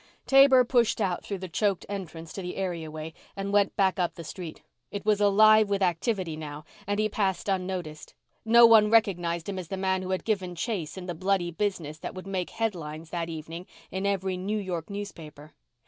Taber pushed out through the choked entrance to the areaway and went back up the street. It was alive with activity now and he passed unnoticed. No one recognized him as the man who had given chase in the bloody business that would make headlines that evening in every New York newspaper.